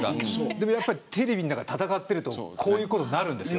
でもやっぱりテレビの中で闘ってるとこういうことになるんですよ